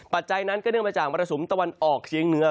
ปัจจัยนั้นก็เนื่องมาจากมรสุมตะวันออกเชียงเหนือ